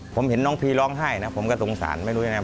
ผมเห็นน้องพีร้องไห้นะผมก็สงสารไม่รู้ยังไง